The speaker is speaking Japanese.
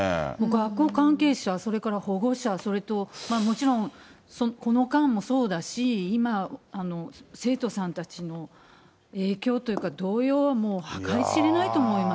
学校関係者、それから保護者、それともちろん、この間もそうだし、今、生徒さんたちの影響というか、動揺はもう計り知れないと思います。